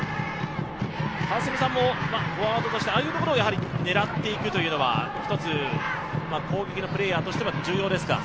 川澄さんもフォワードとしてああいうところを狙っていくという、一つ、攻撃のプレーヤーとしては重要ですか？